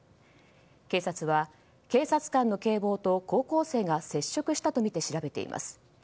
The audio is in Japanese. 警察は、警察官の警棒と高校生が接触したとみて調べています。